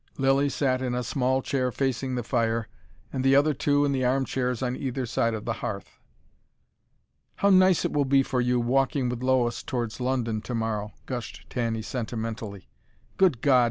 Lilly sat in a small chair facing the fire, the other two in the armchairs on either side the hearth. "How nice it will be for you, walking with Lois towards London tomorrow," gushed Tanny sentimentally. "Good God!"